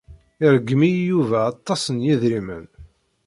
Iṛeggem-iyi Yuba aṭas n yedrimen.